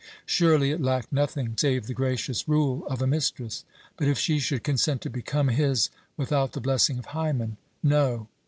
Surely it lacked nothing save the gracious rule of a mistress. But if she should consent to become his without the blessing of Hymen? No.